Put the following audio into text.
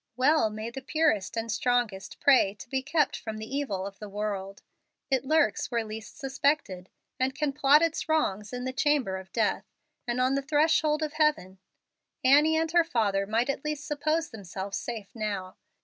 Well may the purest and strongest pray to be kept from the evil of the world. It lurks where least suspected, and can plot its wrongs in the chamber of death, and on the threshold of heaven. Annie and her father might at least suppose themselves safe now.